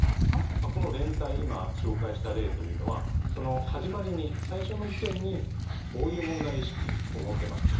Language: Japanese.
この連帯今紹介した例というのはその始まりに最初の時点に「こういう問題意識を持ってます」と。